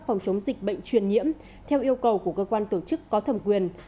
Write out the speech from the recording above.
phòng chống dịch bệnh truyền nhiễm theo yêu cầu của cơ quan tổ chức có thẩm quyền